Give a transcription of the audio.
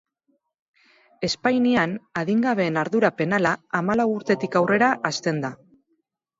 Espainian, adingabeen ardura penala hamalau urtetik aurrera hasten da.